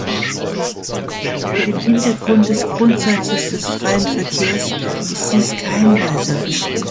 Vor dem Hintergrund des Grundsatzes des freien Verkehrs ist dies kein weiser Beschluss.